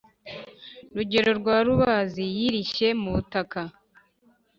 rugero rwa rubazi yirishye mu butaka.